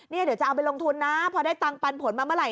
เดี๋ยวจะเอาไปลงทุนนะพอได้ตังค์ปันผลมาเมื่อไห